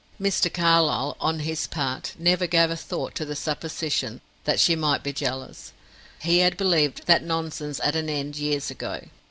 Mr. Carlyle, on his part, never gave a thought to the supposition that she might be jealous; he had believed that nonsense at an end years ago.